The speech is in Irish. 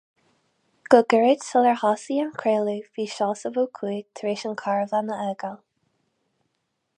Go gairid sular thosaigh an craoladh, bhí Seosamh Ó Cuaig tar éis an carbhán a fhágáil.